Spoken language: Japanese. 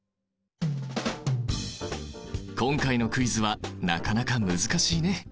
今回のクイズはなかなか難しいね。